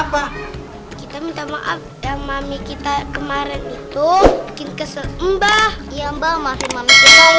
apa kita minta maaf dan mami kita kemarin itu bikin kesel mbah iya mbak maaf mami